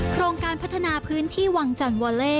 โครงการพัฒนาพื้นที่วังจันทร์วอเล่